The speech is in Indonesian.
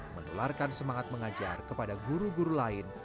menularkan semangat mengajar kepada guru guru lain